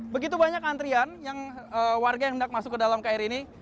begitu banyak antrian yang warga yang hendak masuk ke dalam kri ini